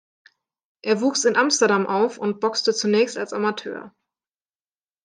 Er wuchs in Amsterdam auf und boxte zunächst als Amateur.